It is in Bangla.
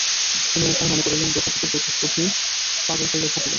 তিনি একবার মনে করিলেন, রঘুপতি বুঝি পাগল হইয়া থাকিবেন।